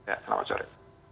ya selamat sore